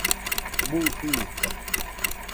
Bu jɨɨka